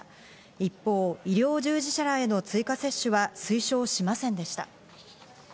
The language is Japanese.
一方、医療従事者らへの追加接種は推奨しませんでした。